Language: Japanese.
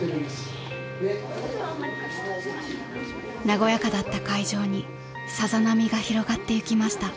［和やかだった会場にさざ波が広がってゆきました］